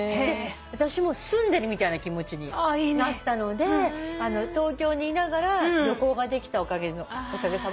私も住んでるみたいな気持ちになったので東京にいながら旅行ができたおかげさまの本でございます。